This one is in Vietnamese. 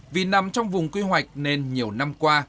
vì nằm trong vùng quy hoạch nên nhiều năm qua